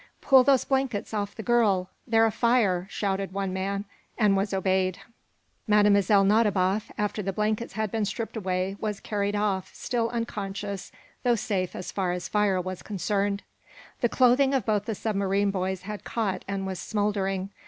"Pull those blankets off the girl! They're afire," shouted one man, and was obeyed. Mlle. Nadiboff, after the blankets had been stripped away, was carried off, still unconscious though safe as far as fire was concerned. The clothing of both the submarine boys had caught and was smouldering.